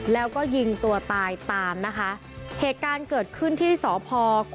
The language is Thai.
แล้วก็ยิงตัวตายตามนะคะเหตุการณ์เกิดขึ้นที่สพ